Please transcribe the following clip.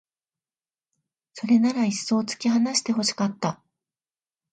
それならいっそう突き放して欲しかった